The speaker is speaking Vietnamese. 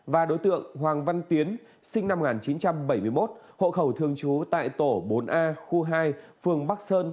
và đối tượng hoàng văn tiến sinh năm một nghìn chín trăm bảy mươi một hộ khẩu thường trú tại tổ bốn a khu hai phường bắc sơn